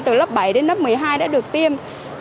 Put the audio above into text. từ lớp bảy đến lớp một mươi hai đã được tiêm